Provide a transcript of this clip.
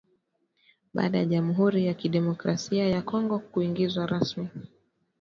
Baada ya Jamhuri ya Kidemokrasia ya Kongo kuingizwa rasmi